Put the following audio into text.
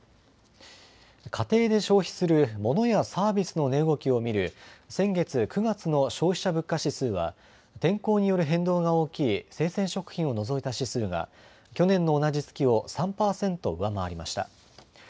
家庭で消費するモノやサービスの値動きを見る先月９月の消費者物価指数は天候による変動が大きい生鮮食品を除いた指数が去年の同じ月を３％上回りました。